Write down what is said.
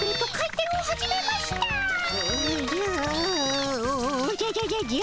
おじゃおじゃじゃじゃじゃ。